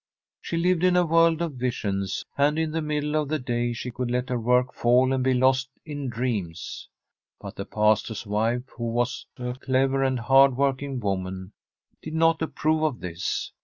She lived in a world of visions, and in the middle of the day she could let her work fall and be lost in dreams. But the pastor's wife, who was a clever and hard working woman, did not approve of this.